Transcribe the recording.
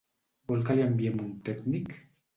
Vol que li enviem un tècnic?